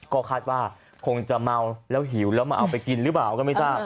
ก็คาดว่าคงจะเมาแล้วหิวแล้วมาเอาไปกินหรือเปล่าก็ไม่ทราบ